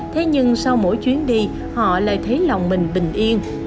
thế nhưng sau mỗi chuyến đi họ lại thấy lòng mình bình yên